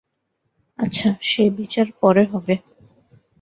আচ্ছা, সে বিচার পরে হবে।